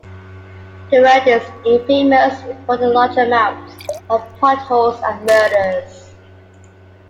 The road is infamous for the large amounts of potholes and murders.